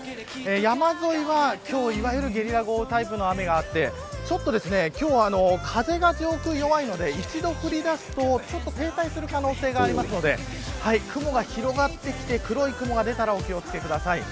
山沿いは今日いわゆるゲリラ豪雨タイプの雨があって今日は風が上空、弱いので一度降りだすと停滞する可能性がありますので雲が広がってきて黒い雲が出たらお気を付けください。